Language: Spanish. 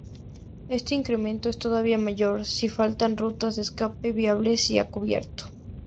Este incremento es todavía mayor si faltan rutas de escape viables y a cubierto.